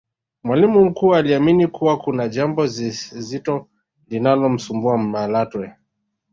mwalimu mkuu aliamini kuwa kuna jambo zito linalomsumbua Malatwe